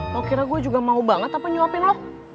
kok kira gue juga mau banget apa nyuapin lo